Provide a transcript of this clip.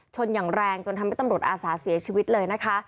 อย่างแรงจนทำให้ตำรวจอาสาเสียชีวิตเลยนะคะ